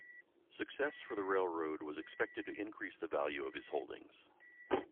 Success for the railroad was expected to increase the value of his holdings.